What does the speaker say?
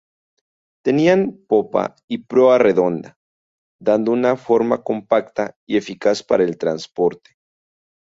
Tenían popa y proa redonda, dando una forma compacta y eficaz para el transporte.